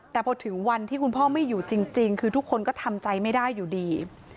แต่พอถึงวันที่คุณพ่อไม่อยู่จริงคือทุกคนก็ทำใจไม่ได้อยู่ดี